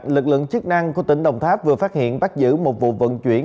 lực lượng chức năng của tỉnh đồng tháp vừa phát hiện bắt giữ một vụ vận chuyển